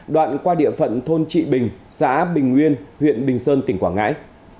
đoạn qua địa phận thôn trị bình xã bình nguyên huyện bình sơn tỉnh quảng ngãi